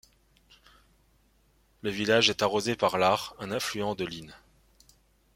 Le village est arrosé par l'Ach, un affluent de l'Inn.